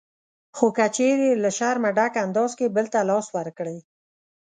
خو که چېرې له شرمه ډک انداز کې بل ته لاس ورکړئ